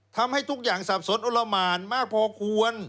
ทำให้ทุกอย่างสับสนอนละหมานมากพอควร